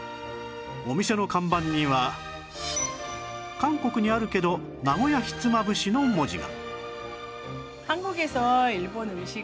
お店の看板には韓国にあるけど「名古屋ひつまぶし」の文字が